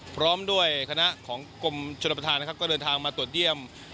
พร้อมด้วยคณะของกรมชนประธานนะครับก็เดินทางมาตรวจเยี่ยม